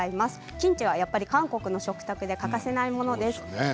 キムチは韓国の食卓で欠かせないものです。